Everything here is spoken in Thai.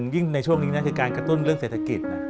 กทมน่าสินธรรมการกระตุ้นเรื่องเศรษฐกิจ